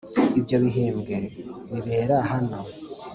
Ibyo bihembwe bibera hano